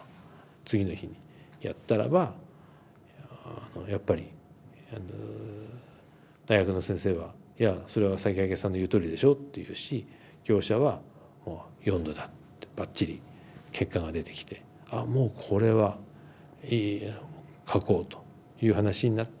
次の日やったらばやっぱり大学の先生は「いやそれは魁さんの言うとおりでしょ」って言うし業者は「４°だ」ってばっちり結果が出てきて「あもうこれはやろう書こう」という話になって。